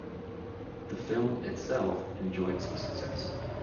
The film, itself, enjoyed some success.